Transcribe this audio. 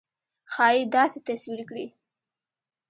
ښایي داسې تصویر کړي.